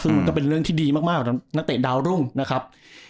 ซึ่งก็เป็นเรื่องที่ดีมากนักเตะดาวน์รุ่งนะครับ